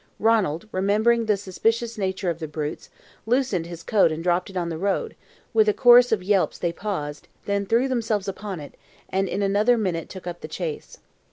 Ranald, remembering the suspicious nature of the brutes, loosened his coat and dropped it on the road; with a chorus of yelps they paused, then threw themselves upon it, and in another minute took up the chase.